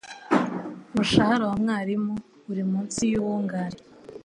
Umushahara wa mwarimu uri munsi yuwunganira.